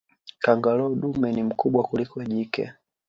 kangaroo dume ni mkubwa kuliko jike